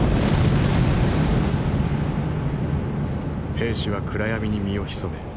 兵士は暗闇に身を潜め